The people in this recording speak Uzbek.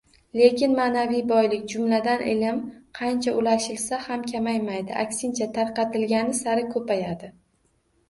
Lekin maʼnaviy boylik, jumladan, ilm qancha ulashilsa ham kamaymaydi, aksincha, tarqatilgani sari ko‘payadi.